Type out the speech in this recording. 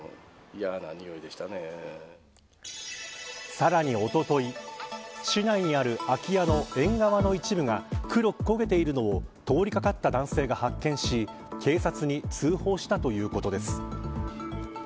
さらに、おととい市内にある空き家の縁側の一部が黒く焦げているのを通りかかった男性が発見し警察に通報したということです。